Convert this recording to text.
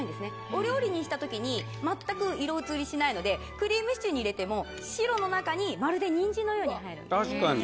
お料理にした時全く色移りしないのでクリームシチューに入れても白の中にまるでニンジンのように映える。